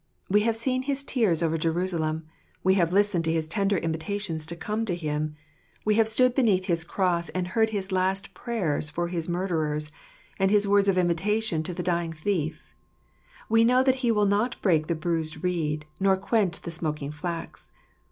We have seen his tears over Jerusalem ; we have listened to his tender invitations to come to Him ; we have stood beneath his cross and heard his last prayers for his mur derers, and his words of invitation to the dying thief ; we know that He will not break the bruised reed, nor quench the smoking flax.